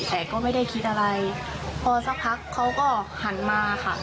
แต่ก็ไม่ได้คิดอะไรพอสักพักเขาก็หันมาค่ะ